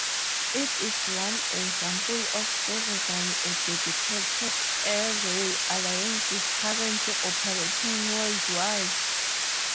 It is one example of several a dedicated air-rail alliances currently operating worldwide.